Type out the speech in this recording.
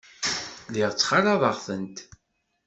Lliɣ ttxalaḍeɣ-tent.